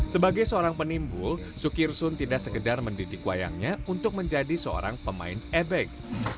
sebagai seorang penimbul sukirsun tidak sekedar mendidik wayangnya untuk menjadi seorang pemain ebek